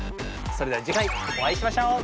それでは次回お会いしましょう！